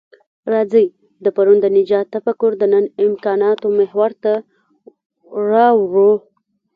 راځئ د پرون د نجات تفکر د نن امکاناتو محور ته راوړوو.